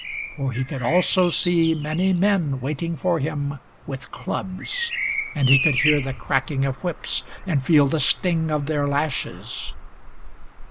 For he could also see many men waiting for him with clubs, and he could hear the cracking of whips, and feel the sting of their lashes.